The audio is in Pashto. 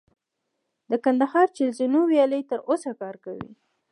د کندهار چل زینو ویالې تر اوسه کار کوي